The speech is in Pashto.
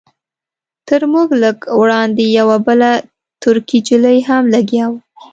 تر موږ لږ وړاندې یوه بله ترکۍ نجلۍ هم لګیا وه.